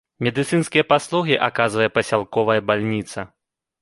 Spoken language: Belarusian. Медыцынскія паслугі аказвае пасялковая бальніца.